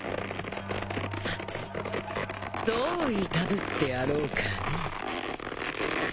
さてどういたぶってやろうかね。